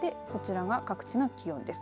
こちらが各地の気温です。